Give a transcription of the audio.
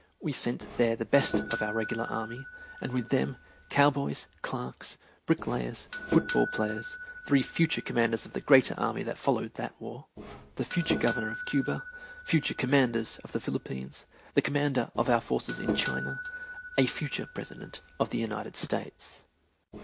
We sent there the best of our regular army, and with them, cowboys, clerks, bricklayers, foot ball players, three future commanders of the greater army that followed that war, the future Governor of Cuba, future commanders of the Philippines, the commander of our forces in China, a future President of the United States.